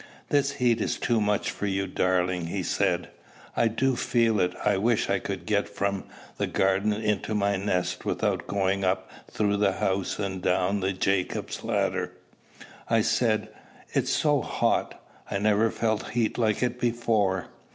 "This heat is too much for you, darling," he said. "I do feel it. I wish I could get from the garden into my nest without going up through the house and down the Jacob's ladder," I said. "It is so hot! I never felt heat like it before."